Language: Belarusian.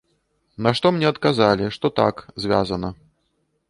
На што мне адказалі, што так, звязана.